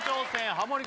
ハモリ